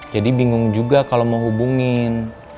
jadi bingung juga kalau mau hubungin